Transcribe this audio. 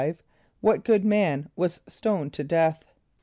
= What good man was stoned to death?